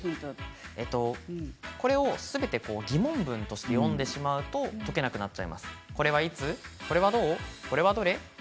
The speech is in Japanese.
これをすべて疑問文で読んでしまうと解けなくなってしまいます。